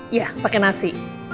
iya pakai nasi